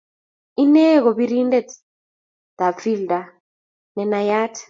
Inee ko birindet ab fidla ne naiyat